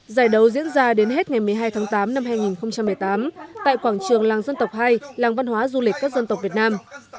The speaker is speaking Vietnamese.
giải đấu diễn ra đến hết ngày một mươi hai tháng tám năm hai nghìn một mươi tám tại quảng trường làng dân tộc hai làng văn hóa du lịch các dân tộc việt nam